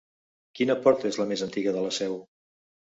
Quina porta és la més antiga de la seu?